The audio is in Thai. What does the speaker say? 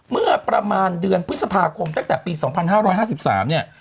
เมื่อประมาณเดือนพฤษภาคมตั้งแต่ปี๒๕๕๓เนี่ย